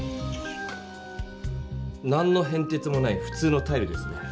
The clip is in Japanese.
何のへんてつもないふ通のタイルですね。